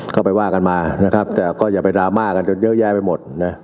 ก็ไปว่ากันมานะครับแต่ก็อย่าไปดราม่ากันจนเยอะแยะไปหมดนะ